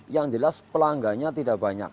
yang jelas pelanggannya tidak banyak